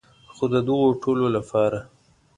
خو د دغو ټولو لپاره.